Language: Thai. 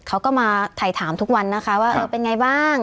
เขาก็มาถ่ายถามทุกวันนะคะว่าเออเป็นไงบ้าง